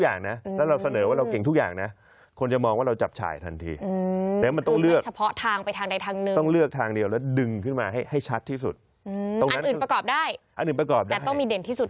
อันอื่นประกอบได้แต่ต้องมีเด่นที่สุดนึงอัน